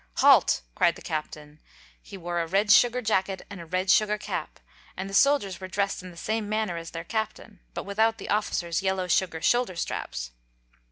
"Halt!" cried the Captain. He wore a red sugar jacket and a red sugar cap, and the soldiers were dressed in the same manner as their Captain, but without the officer's yellow sugar shoulder straps.